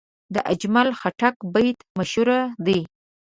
د اجمل خټک بیت مشهور دی.